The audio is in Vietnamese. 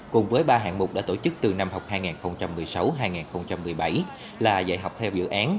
cùng với ba hạng mục đã tổ chức từ năm học hai nghìn một mươi sáu hai nghìn một mươi bảy là dạy học theo dự án